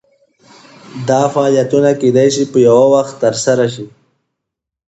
دا فعالیتونه کیدای شي په یو وخت ترسره شي.